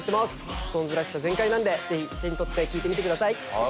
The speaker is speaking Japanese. ＳｉｘＴＯＮＥＳらしさ全開なんでぜひ手に取って聴いてみてください。